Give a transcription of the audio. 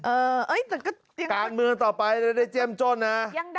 เออแต่ก็การเมืองต่อไปได้เจ้มจ้นนะ